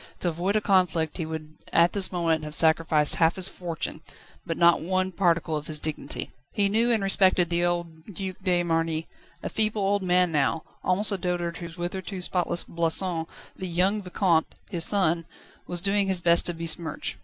To avoid a conflict he would at this moment have sacrificed half his fortune, but not one particle of his dignity. He knew and respected the old Duc de Marny, a feeble old man now, almost a dotard whose hitherto spotless blason, the young Vicomte, his son, was doing his best to besmirch.